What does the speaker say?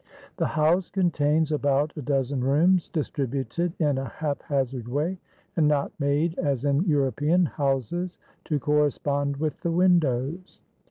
The house contains about a dozen rooms, distributed in a haphazard way, and not made, as in European houses, to correspond with the windows.